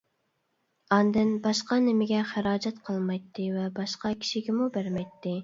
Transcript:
ئاندىن باشقا نېمىگە خىراجەت قىلمايتتى ۋە باشقا كىشىگىمۇ بەرمەيتتى.